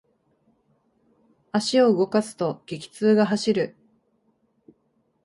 足を動かすと、激痛が走る。